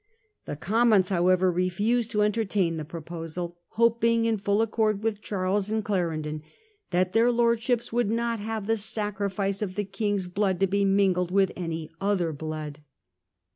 The Commons however refused to entertain the proposal, 'hoping,' in full accord with Charles and Clarendon, 4 that their Lord ships would not have the sacrifice of the King's blood to be mingled with any other blood.